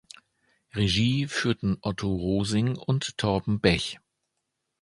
Regie führten Otto Rosing und Torben Bech.